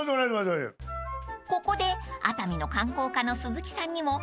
［ここで熱海の観光課の鈴木さんにも］